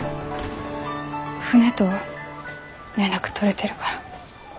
船とは連絡取れてるから。